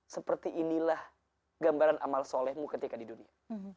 seperti inilah gambaran amal solehmu ketika di dunia